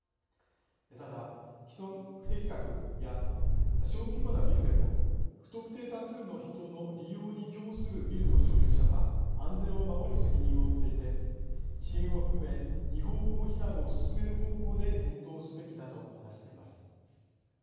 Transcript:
ただ既存不適格や小規模なビルでも不特定多数の人の利用に供するビルの所有者は安全を守る責任を負っていて支援を含め２方向避難を進める方向で検討をすべきだ」と話しています。